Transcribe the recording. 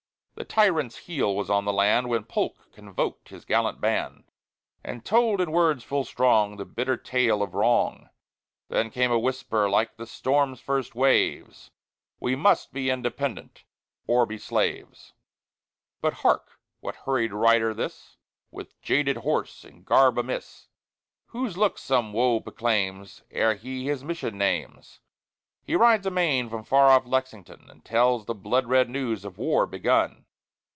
The tyrant's heel was on the land When Polk convoked his gallant band, And told in words full strong The bitter tale of wrong, Then came a whisper, like the storm's first waves: "We must be independent, or be slaves!" But, hark! What hurried rider, this, With jaded horse and garb amiss, Whose look some woe proclaims, Ere he his mission names? He rides amain from far off Lexington, And tells the blood red news of war begun!